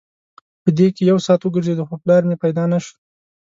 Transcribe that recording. په دې کې یو ساعت وګرځېدو خو پلار مې پیدا نه شو.